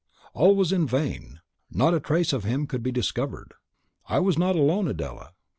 All was in vain; not a trace of him could be discovered. I was not alone, Adela."